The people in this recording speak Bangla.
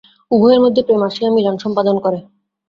উভয়ের মধ্যে প্রেম আসিয়া মিলন সম্পাদন করে।